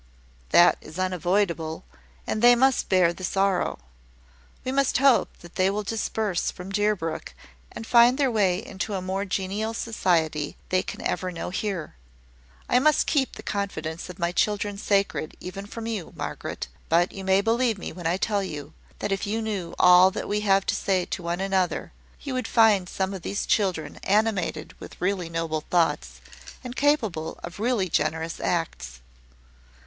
"That is unavoidable, and they must bear the sorrow. We must hope that they will disperse from Deerbrook, and find their way into a more genial society than they can ever know here. I must keep the confidence of my children sacred even from you, Margaret: but you may believe me when I tell you, that if you knew all that we have to say to one another, you would find some of these children animated with really noble thoughts, and capable of really generous acts."